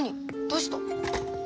どうした？